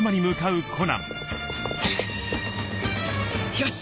よし！